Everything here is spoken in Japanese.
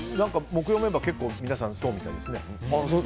木曜メンバー皆さん結構そうみたいですね。